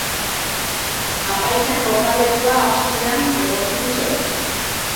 Apaizen kokalekua absidean egokitu zen.